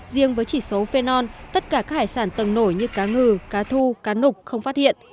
riêng với chỉ số phenol tất cả các hải sản tầng nổi như cá ngừ cá thu cá nục không phát hiện